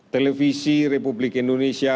televisi republik indonesia